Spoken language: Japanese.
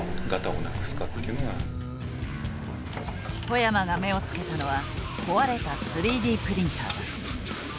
小山が目をつけたのは壊れた３Ｄプリンターだ。